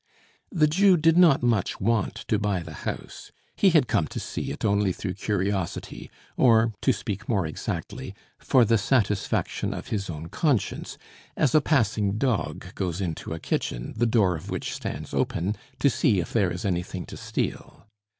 The Jew did not much want to buy the house; he had come to see it only through curiosity, or, to speak more exactly, for the satisfaction of his own conscience, as a passing dog goes into a kitchen, the door of which stands open, to see if there is anything to steal.